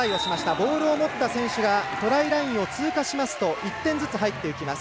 ボールを持った選手がトライラインを通過しますと１点ずつ入っていきます。